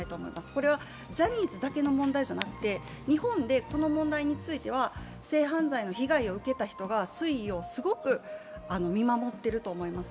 これはジャニーズだけの問題じゃなくて、日本でこの問題については性犯罪の被害を受けた人が推移をすごく見守っていると思います。